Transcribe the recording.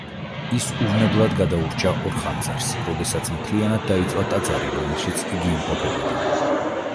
ის უვნებლად გადაურჩა ორ ხანძარს, როდესაც მთლიანად დაიწვა ტაძარი, რომელშიც იგი იმყოფებოდა.